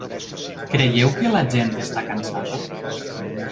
Creieu que la gent està cansada?